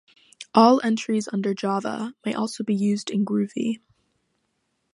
All entries under Java may also be used in Groovy.